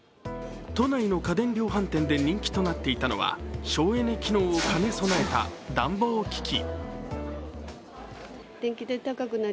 都内の家電量販店で人気となっていたのは省エネ機能を兼ね備えた暖房機器。